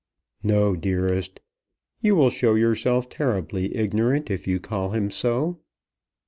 "No, dearest. You will show yourself terribly ignorant if you call him so."